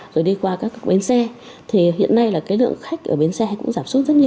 rồi đi qua các bến xe thì hiện nay là cái lượng khách ở bến xe cũng giảm suốt rất nhiều